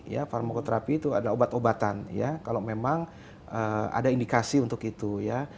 ya farmokoterapi itu ada obat obatan ya kalau memang ada indikasi untuk itu ya